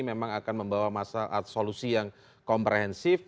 memang akan membawa masalah atau solusi yang komprehensif